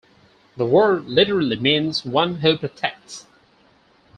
The word literally means "one who protects".